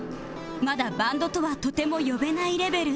まだバンドとはとても呼べないレベル